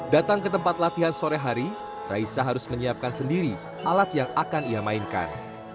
datang ke tempat latihan sore hari raisa harus menyiapkan sendiri alat yang akan ia mainkan